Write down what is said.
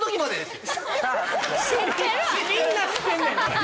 みんな知ってんねん！